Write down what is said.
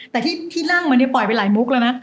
แต่ที่ร่างมันปล่อยไปหลายมุกแล้วนะ